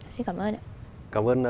xin cảm ơn ạ